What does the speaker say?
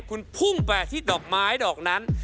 คุณพุ่งไปที่ดอกไม้ดอกนั้น